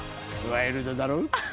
ワイルドだろう？